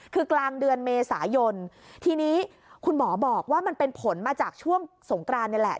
คือกลางเดือนเมษายนทีนี้คุณหมอบอกว่ามันเป็นผลมาจากช่วงสงกรานนี่แหละ